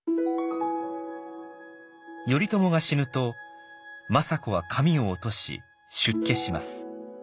頼朝が死ぬと政子は髪を落とし出家します。